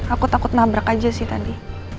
aku takut nabrak aja sih tadi